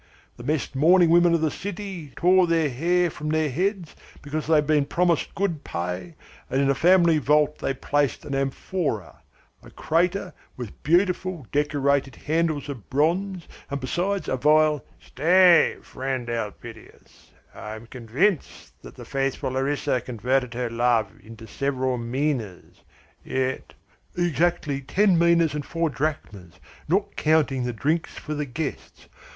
The best mourning women of the city tore their hair from their heads because they had been promised good pay, and in the family vault they placed an amphora a crater with beautiful, decorated handles of bronze, and, besides, a vial. " "Stay, friend Elpidias. I am convinced that the faithful Larissa converted her love into several minas. Yet " "Exactly ten minas and four drachmas, not counting the drinks for the guests.